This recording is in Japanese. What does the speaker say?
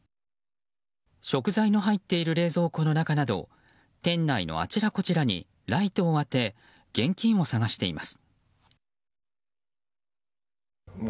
食材の入っている冷蔵庫の中など店内のあちらこちらにライトを当て現金を探しています。